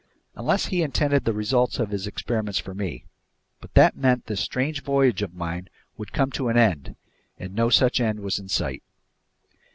Unless he intended the results of his experiments for me. But that meant this strange voyage of mine would come to an end, and no such end was in sight.